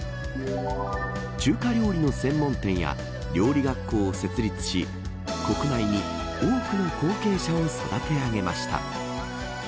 中華料理の専門店や料理学校を設立し国内に多くの後継者を育て上げました。